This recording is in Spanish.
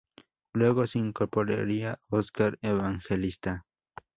Luego se incorporaría Oscar Evangelista.